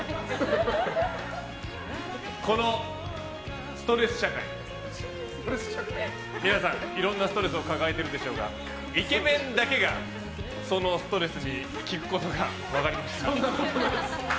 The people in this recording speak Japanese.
このストレス社会皆さん、いろんなストレスを抱えているでしょうがイケメンだけがそのストレスに効くことが分かりました。